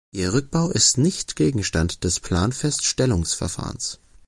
Ihr Rückbau ist nicht Gegenstand des Planfeststellungsverfahrens.